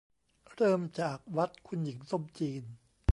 เริ่มจากวัดคุณหญิงส้มจีน